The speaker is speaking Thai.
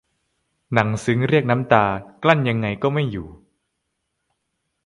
หนังซึ้งเรียกน้ำตา กลั้นยังไงก็ไม่อยู่